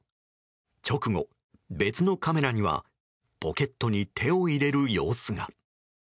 直後、別のカメラにはポケットに手を入れる様子が。